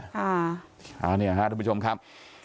อันนี้ครับทุกผู้ชมครับ